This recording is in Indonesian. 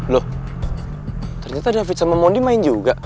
loh ternyata david sama mondi main juga